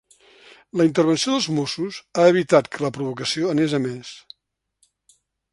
La intervenció dels mossos ha evitat que la provocació anés a més.